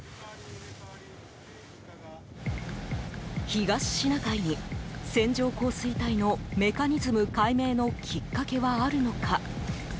東シナ海に線状降水帯のメカニズム解明のきっかけはあるのか。